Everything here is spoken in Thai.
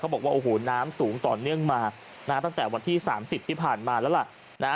บอกว่าโอ้โหน้ำสูงต่อเนื่องมานะฮะตั้งแต่วันที่๓๐ที่ผ่านมาแล้วล่ะนะฮะ